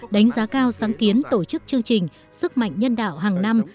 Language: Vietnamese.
đánh giá cao sáng kiến tổ chức chương trình sức mạnh nhân đạo hàng năm